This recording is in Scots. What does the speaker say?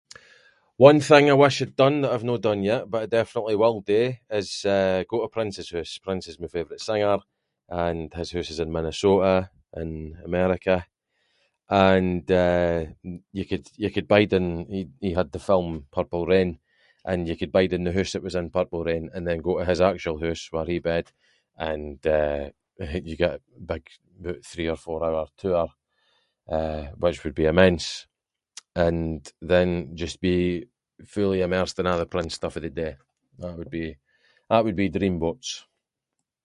One thing I wish I’d done that I’ve no done yet, but I definitely will do is eh, go to Prince’s hoose, Prince is my favourite singer, and his hoose is in Minnesota, in America, and eh, you could- you could bide in- he had the film Purple Rain, and you could bide in the hoose that was in Purple Rain, and then go to his actual hoose where he bed, and eh, you get a big, aboot three or four hour tour, eh, which would be immense, and then just be fully immersed in a’ the Prince stuff for the day, that would be- that would be dreamboats.